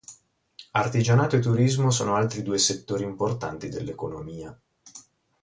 Artigianato e turismo sono altri due settori importanti dell'economia.